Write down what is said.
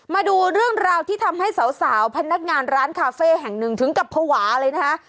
มาดูเรื่องราวที่ทำให้สาวพนักงานร้านคาเฟ่แห่งหนึ่งถึงกับภาวะเลยนะคะ